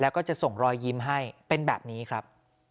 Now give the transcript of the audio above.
แล้วก็จะส่งรอยยิ้มให้เป็นแบบนี้ครับ